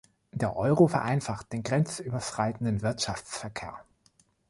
Der Euro vereinfacht den grenzüberschreitenden Wirtschaftsverkehr.